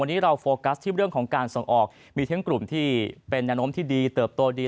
วันนี้เราโฟกัสที่เรื่องของการส่งออกมีทั้งกลุ่มที่เป็นแนวโน้มที่ดีเติบโตดี